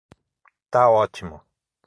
Tá ótimo.